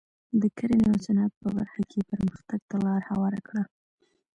د کرنې او صنعت په برخه کې یې پرمختګ ته لار هواره کړه.